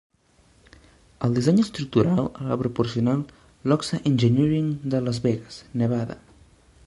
El disseny estructural el va proporcionar Lochsa Engineering de Las Vegas, Nevada.